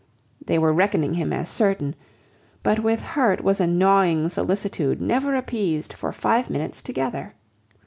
They were reckoning him as certain, but with her it was a gnawing solicitude never appeased for five minutes together.